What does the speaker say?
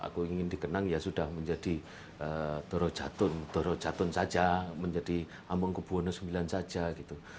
aku ingin dikenang ya sudah menjadi doro jatun doro jatun saja menjadi amengkubwono ix saja gitu